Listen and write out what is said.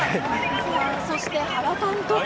そして原監督。